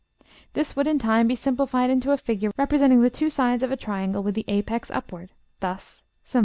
This would in time be simplified into a figure representing the two sides of a triangle with the apex upward, thus, ###